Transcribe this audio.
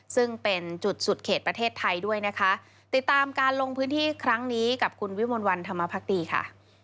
ซึ่งเป็นจุดสุดเขตประเทศไทยด้วยนะคะติดตามการลงพื้นที่ครั้งนี้กับคุณวิมลวันธรรมภักดีค่ะ